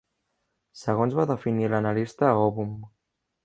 Segons va definir l'analista Ovum.